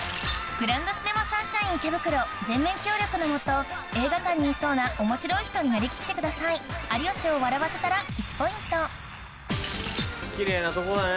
グランドシネマサンシャイン池袋全面協力の下映画館にいそうな面白い人になり切ってください有吉を笑わせたら１ポイントキレイなとこだね。